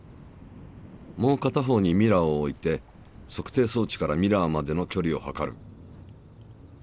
もう片方にミラーを置いて測定装置からミラーまでのきょりを測る。